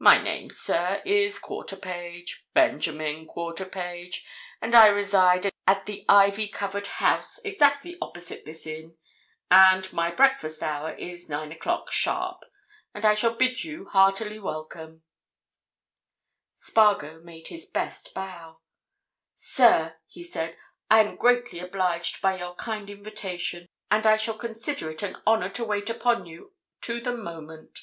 My name, sir, is Quarterpage—Benjamin Quarterpage—and I reside at the ivy covered house exactly opposite this inn, and my breakfast hour is nine o'clock sharp, and I shall bid you heartily welcome!" Spargo made his best bow. "Sir," he said, "I am greatly obliged by your kind invitation, and I shall consider it an honour to wait upon you to the moment."